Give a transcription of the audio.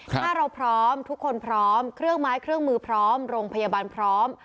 ถ้าเราพร้อมทุกคนพร้อมเครื่องไม้เครื่องมือพร้อมโรงพยาบาลพร้อม